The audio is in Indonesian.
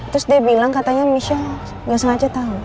terus dia bilang katanya michelle nggak sengaja tahu